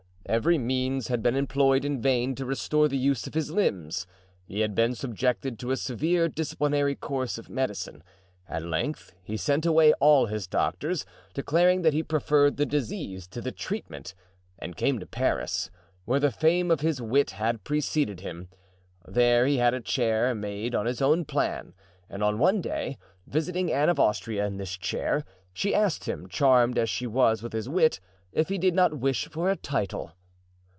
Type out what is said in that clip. Every means had been employed in vain to restore the use of his limbs. He had been subjected to a severe disciplinary course of medicine, at length he sent away all his doctors, declaring that he preferred the disease to the treatment, and came to Paris, where the fame of his wit had preceded him. There he had a chair made on his own plan, and one day, visiting Anne of Austria in this chair, she asked him, charmed as she was with his wit, if he did not wish for a title.